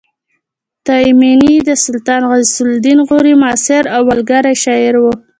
تایمني د سلطان غیاث الدین غوري معاصر او ملګری شاعر و